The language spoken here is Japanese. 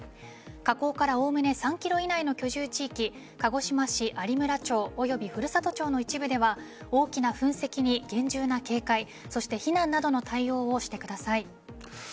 過去からおおむね３ｋｍ以内の居住地域鹿児島市有村町及び、ふるさと町の一部では大きな噴石に厳重な警戒そして避難などの対応をしてください。